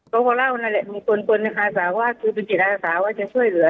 ก็พอเล่านั่นแหละคนคนอาสาว่าคือประจิตอาสาว่าจะช่วยเหลือ